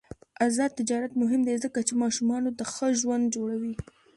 آزاد تجارت مهم دی ځکه چې ماشومانو ته ښه ژوند جوړوي.